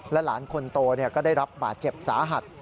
หลานคนโตก็ได้รับบาดเจ็บสาหัส